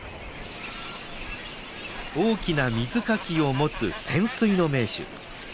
大きな水かきを持つ潜水の名手。